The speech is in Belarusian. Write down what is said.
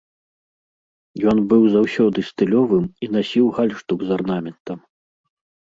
Ён быў заўсёды стылёвым і насіў гальштук з арнаментам.